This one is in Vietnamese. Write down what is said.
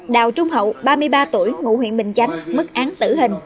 đào trung hậu ba mươi ba tuổi ngụ huyện bình chánh mức án tử hình